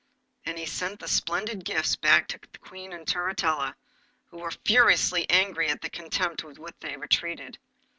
And he sent the splendid gifts back to the Queen and Turritella, who were furiously angry at the contempt with which they were treated.